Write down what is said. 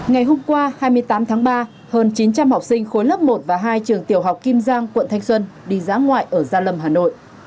ngày hôm qua hai mươi tám tháng ba hơn chín trăm linh học sinh khối lớp một và hai trường tiểu học kim giang quận thanh xuân đi dã ngoại ở gia lâm hà nội